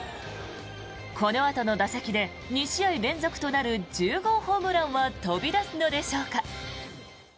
このあとの打席で２試合連続となる１０号ホームランは飛び出すのでしょうか。